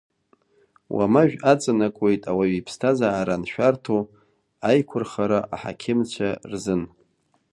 Уамажә аҵанакуеит ауаҩы иԥсҭазаара аншәарҭо аиқәырхара аҳақьымцәа рзын.